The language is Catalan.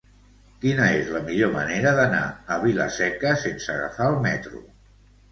Quina és la millor manera d'anar a Vila-seca sense agafar el metro?